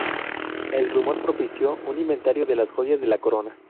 El rumor propició un inventario de las joyas de la corona.